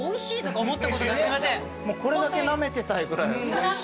これだけなめてたいぐらいおいしい。